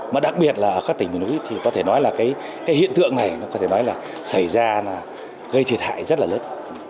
mà đặc biệt là ở các tỉnh miền núi thì có thể nói là cái hiện tượng này có thể nói là xảy ra là gây thiệt hại rất là lớn